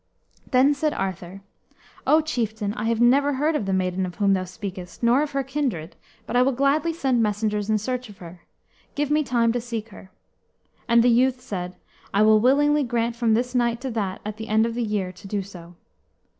Then said Arthur, "O chieftain, I have never heard of the maiden of whom thou speakest, nor of her kindred, but I will gladly send messengers in search of her. Give me time to seek her." And the youth said, "I will willingly grant from this night to that at the end of the year to do so."